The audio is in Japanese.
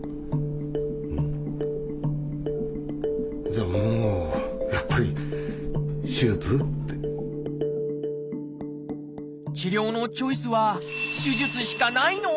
じゃあもう治療のチョイスは手術しかないの？